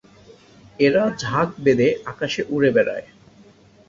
এরা ঝাঁক বেঁধে আকাশে উড়ে বেড়ায়।